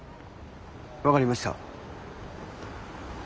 分かりました。